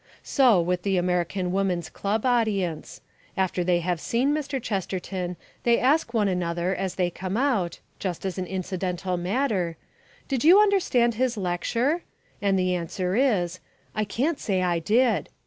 So with the American woman's club audience. After they have seen Mr. Chesterton they ask one another as they come out just as an incidental matter "Did you understand his lecture?" and the answer is, "I can't say I did."